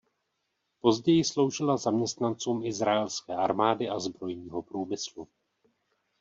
Později sloužila zaměstnancům izraelské armády a zbrojního průmyslu.